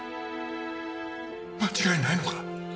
間違いないのか？